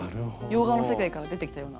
洋画の世界から出てきたような。